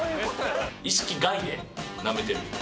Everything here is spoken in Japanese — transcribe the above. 意識外でナメてる。